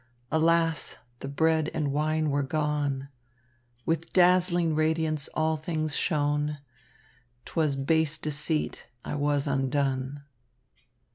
Alas! the bread and wine were gone. With dazzling radiance all things shone, 'Twas base deceit; I was undone."